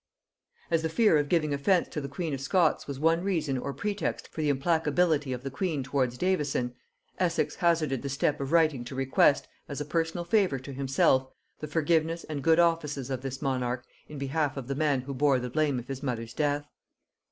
As the fear of giving offence to the king of Scots was one reason or pretext for the implacability of the queen towards Davison, Essex hazarded the step of writing to request, as a personal favor to himself, the forgiveness and good offices of this monarch in behalf of the man who bore the blame of his mother's death.